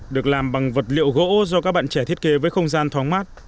được làm bằng vật liệu gỗ do các bạn trẻ thiết kế với không gian thoáng mát